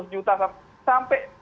seratus juta sampai